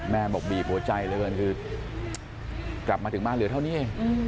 แม่บอกบีบหัวใจเลยคือกลับมาถึงบ้านเหลือเท่านี้